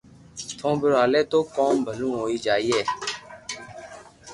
تو ڀيرو ھالي تو ڪوم ڀلو ھوئيي جائي